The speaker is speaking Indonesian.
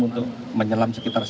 untuk menyelam sekitar sepuluh meter